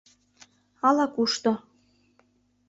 Ала-кушто...